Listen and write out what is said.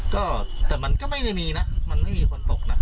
ก็แต่มันก็ไม่ได้มีนะมันไม่มีคนตกนะ